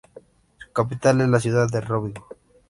Su capital es la ciudad de Rovigo.